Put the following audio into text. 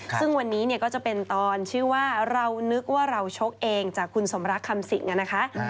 ซึ่งวันนี้ก็จะเป็นตอนชื่อว่าเรานึกว่าเราชกเองจากคุณสมรักคำสิงนะคะ